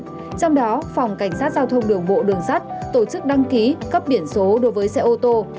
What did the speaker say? trong đó phòng cảnh sát giao thông đường bộ đường sắt tổ chức đăng ký cấp biển số đối với xe ô tô